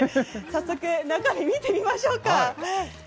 早速、中身、見てみましょうか。